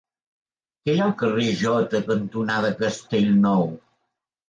Què hi ha al carrer Jota cantonada Castellnou?